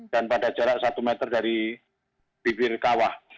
dan pada jarak satu meter dari bibir kawah